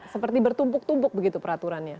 seperti bertumpuk tumpuk begitu peraturannya